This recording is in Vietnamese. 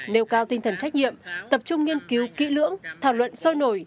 nêu cao tinh thần trách nhiệm tập trung nghiên cứu kỹ lưỡng thảo luận sôi nổi